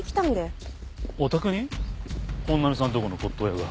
お宅に本並さんのとこの骨董屋が？